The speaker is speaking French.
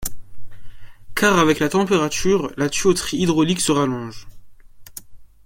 Car avec la température la tuyauterie hydraulique se rallonge.